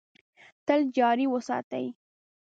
تل جاري وساتي .